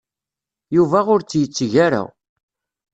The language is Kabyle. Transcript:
Yuba ur tt-yetteg ara.